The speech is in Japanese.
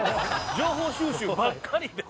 情報収集ばっかりで。